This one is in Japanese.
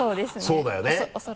そうだよね？